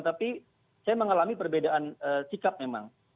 tapi saya mengalami perbedaan sikap memang